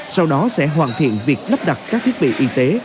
sau đó sẽ hoàn thiện việc lắp đặt các thiết bị y tế